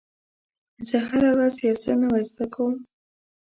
زه هره ورځ یو څه نوی زده کوم.